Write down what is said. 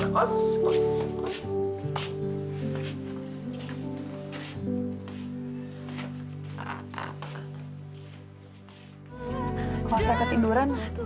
kau usah ketinduran